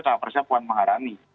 capresnya puan maharani